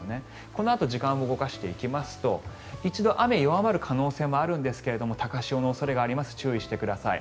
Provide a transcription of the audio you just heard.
このあと時間を動かしていきますと一度、雨が弱まる可能性があるんですが高潮の恐れがあります注意してください。